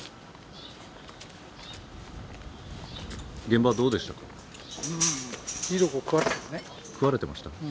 現場どうでしたか。